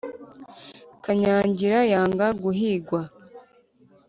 Kanyangira yanga guhigwa,